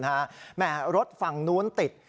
แหม่รถฝั่งนู้นติด